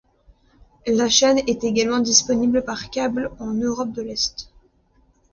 La chaîne est également disponible par câble en Europe de l'Est.